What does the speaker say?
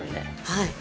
はい。